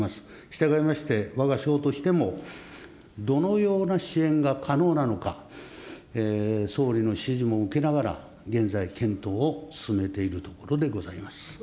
したがいまして、わが省としても、どのような支援が可能なのか、総理の指示も受けながら、現在、検討を進めているところでございます。